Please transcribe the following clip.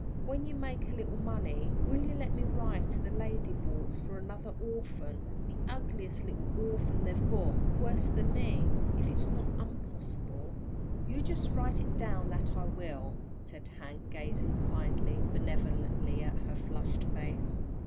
When you make a little money will you let me write to the lady boards for another orphan, the ugliest little orphan they've got, worse than me, if it's not unpossible." "You just write it down that I will," said Hank, gazing kindly and benevolently at her flushed face.